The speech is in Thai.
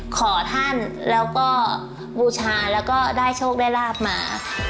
ขอท่านแล้วก็บูชาแล้วก็ได้โชคได้ลาบมา